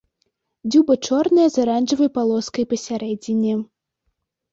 Дзюба чорная з аранжавай палоскай пасярэдзіне.